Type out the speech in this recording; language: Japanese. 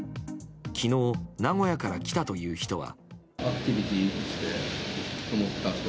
昨日、名古屋から来たという人は。